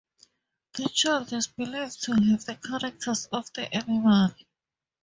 The child is believed to have the characters of the animal.